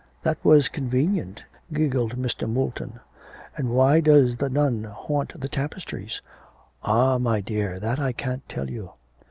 'That was convenient,' giggled Mr. Moulton. 'And why does the nun haunt the tapestries?' 'Ah, my dear, that I can't tell you.'